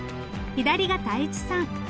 左が泰一さん。